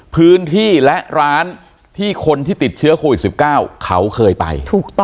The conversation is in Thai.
พื้นที่และร้านที่คนที่ติดเชื้อโควิด๑๙เขาเคยไปถูกต้อง